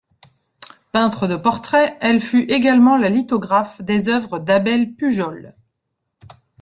Peintre de portraits, elle fut également la lithographe des œuvres d'Abel Pujol.